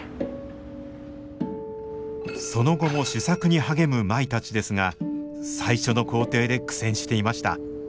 その後も試作に励む舞たちですが最初の工程で苦戦していました。